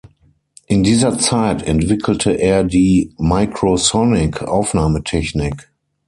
In dieser Zeit entwickelte er die Microsonic-Aufnahmetechnik.